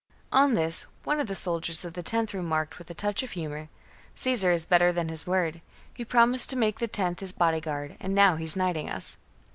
On this, one of the soldiers of the loth remarked with a touch of humour, " Caesar is better than his word ; he promised to make the loth his bodyguard, and now he's knighting us."